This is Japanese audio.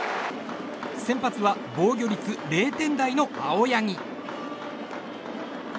先発は防御率０点台の青柳。